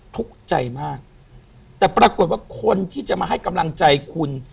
ทุกข์ใจมากแต่ปรากฏว่าคนที่จะมาให้กำลังใจคุณ